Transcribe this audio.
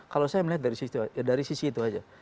kalau saya melihat dari sisi itu aja